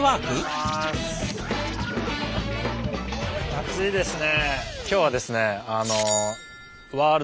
暑いですね。